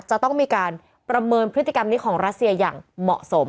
จะต้องมีการประเมินพฤติกรรมนี้ของรัสเซียอย่างเหมาะสม